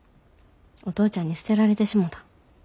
お父ちゃんに捨てられてしもた。